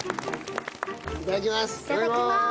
いただきます！